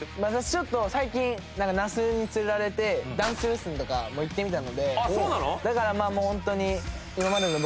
ちょっと最近那須に連れられてダンスレッスンとかも行ってみたのでだからもうホントに。